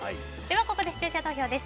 ここで視聴者投票です。